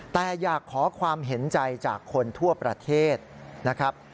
แต่อยากขอความเห็นใจจากคนทั่วประเทศนะครับ